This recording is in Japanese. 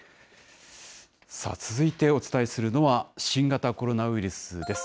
続いてお伝えするのは新型コロナウイルスです。